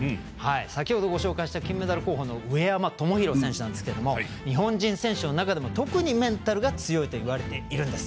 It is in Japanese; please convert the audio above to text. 先ほど、ご紹介した金メダル候補の上山友裕選手なんですけど日本人選手の中でも特にメンタルが強いといわれているんです。